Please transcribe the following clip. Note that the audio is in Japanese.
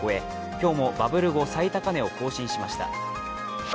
今日もバブル後最高値を更新しました。